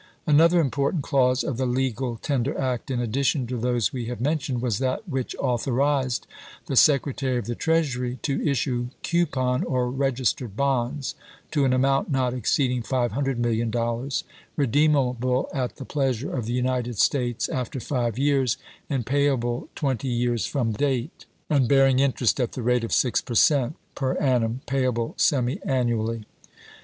Another important clause of the legal tender act, in addition to those we have mentioned, was that which authorized the Secre tary of the Treasury to issue coupon or registered bonds to an amount not exceeding $500,000,000, re deemable at the pleasure of the United States after five years and payable twenty years from date. JOHN SHERMAN. FINANCIAL MEASUEES 241 and bearing interest at the rate of six per cent, chap xi. per annum, payable semi annually.